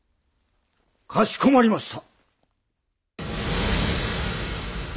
かしこまりました！